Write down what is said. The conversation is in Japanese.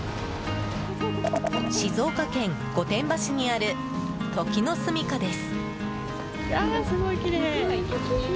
静岡県御殿場市にある時之栖です。